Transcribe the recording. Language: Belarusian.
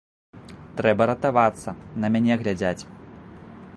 Трэба ратавацца, на мяне глядзяць.